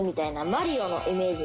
『マリオ』のイメージ。